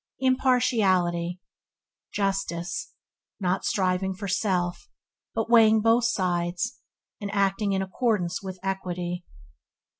Impartiality – Justice; not striving for self, but weighing both sides, and acting in accordance with equity.